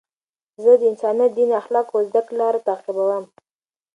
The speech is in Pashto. زه د انسانیت، دین، اخلاقو او زدهکړي لار تعقیبوم.